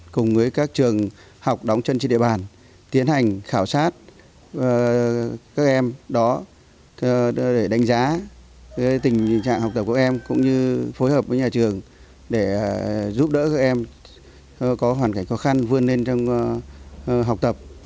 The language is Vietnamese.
cùng với các trường học đóng chân trên địa bàn tiến hành khảo sát các em đó để đánh giá tình trạng học tập của em cũng như phối hợp với nhà trường để giúp đỡ các em có hoàn cảnh khó khăn vươn lên trong học tập